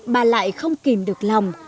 bà lại không kìm được lòng